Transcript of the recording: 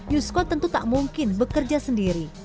yuskon tentu tak mungkin bekerja sendiri